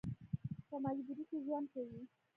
په مجبورۍ کې ژوند کوي.